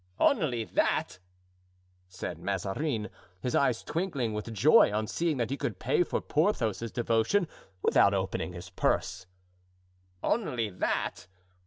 "Only that?" said Mazarin, his eyes twinkling with joy on seeing that he could pay for Porthos's devotion without opening his purse; "only that?